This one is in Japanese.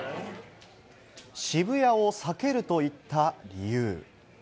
渋谷を避けると言った理由。